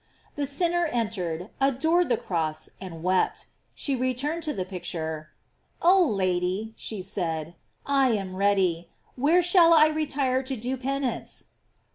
The sinner en tered, adored the cross, and wept. She returned to the picture: f 'Oh Lady," she said, "I am ready; GLORIES OP MAST. 99 where shall I retire to do penance?"